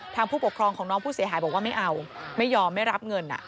ผู้ปกครองของน้องผู้เสียหายบอกว่าไม่เอาไม่ยอมไม่รับเงิน